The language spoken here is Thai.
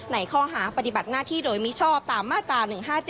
ในข้อหาปฏิบัติหน้าที่โดยมิชอบตามมาตรา๑๕๗